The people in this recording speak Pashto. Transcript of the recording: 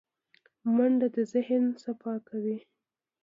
منډه د ذهن صفا کوي